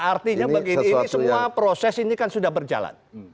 artinya begini ini semua proses ini kan sudah berjalan